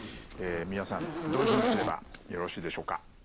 三輪さんどういうふうにすればよろしいでしょうか。